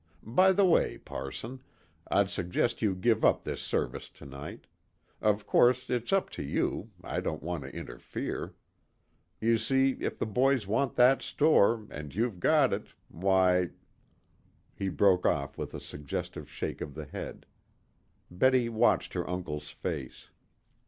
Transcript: By the way, parson, I'd suggest you give up this service to night. Of course it's up to you, I don't want to interfere. You see, if the boys want that store, and you've got it why " He broke off with a suggestive shake of the head. Betty watched her uncle's face.